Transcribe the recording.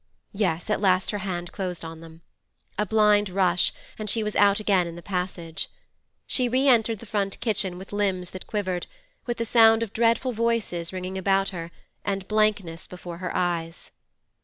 Yes, at last her hand closed on them. A blind rush, and she was out again in the passage. She re entered the front kitchen with limbs that quivered, with the sound of dreadful voices ringing about her, and blankness before her eyes.